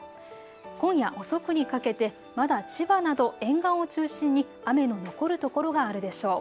今夜遅くにかけてまだ千葉など沿岸を中心に雨の残る所があるでしょう。